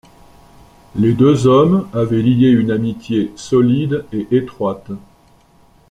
Les deux hommes avaient lié une amitié solide et étroite.